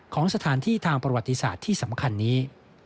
ของสถานที่ทางประวัติศาสตร์ที่สำคัญนี้